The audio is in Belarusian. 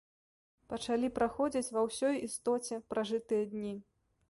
Пачалі праходзіць ва ўсёй істоце пражытыя дні.